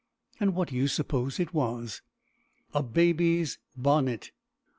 And what do you suppose it was? _A baby's bonnet!